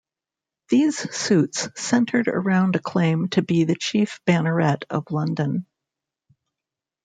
These suits centred around a claim to be the chief banneret of London.